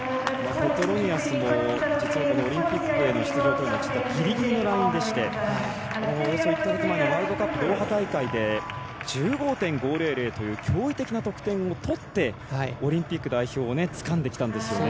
ペトロニアスもこのオリンピックの出場というのはギリギリのラインでしておよそ１か月前のワールドカップドーハ大会で１５．５００という驚異的な得点を取ってオリンピック代表をつかんだんです。